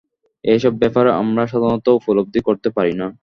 এ-সব ব্যাপার আমরা সাধারণত উপলব্ধি করতে পারি না।